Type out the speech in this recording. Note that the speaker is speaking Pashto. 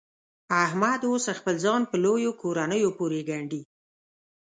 احمد اوس خپل ځان په لویو کورنیو پورې ګنډي.